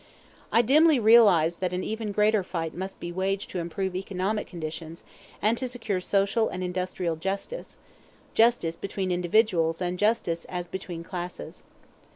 I dimly realized that an even greater fight must be waged to improve economic conditions, and to secure social and industrial justice, justice as between individuals and justice as between classes.